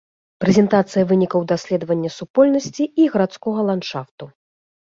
Прэзентацыя вынікаў даследавання супольнасці і гарадскога ландшафту.